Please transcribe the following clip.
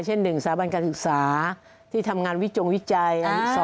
เช่น๑สถาบันการศึกษาที่ทำงานวิจงวิจัย๒